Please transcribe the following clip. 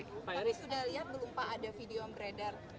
pak eris sudah lihat belum pak ada video beredar